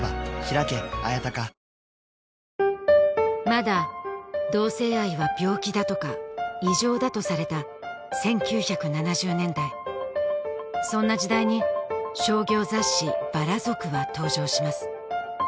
まだ同性愛は病気だとか異常だとされた１９７０年代そんな時代に商業雑誌「薔薇族」は登場します